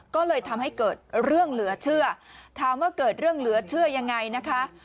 ก็เลยทำให้เกิดเรื่องเหลือเชื่อถามว่าเกิดเรื่องเหลือเชื่อยังไงนะคะ